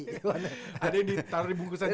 ada yang ditaruh di bungkusan ciki